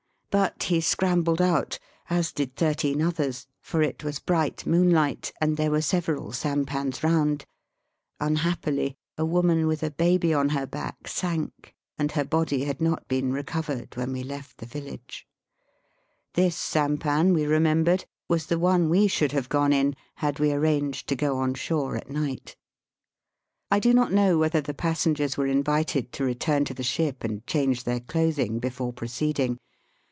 But he scrambled out, as did thirteen others, for it was bright moonUght, and there were several sampans round. Unhappily, a woman with a baby on her back sank, and her body had not been recovered when we left the village. This sampan, we remembered, was the one we should have gone in had we arranged to go on shore at night. I do not know whether the passengers were invited to return to the ship and change their clothing before proceeding.